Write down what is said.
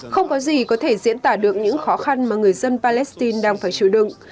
không có gì có thể diễn tả được những khó khăn mà người dân palestine đang phải chịu đựng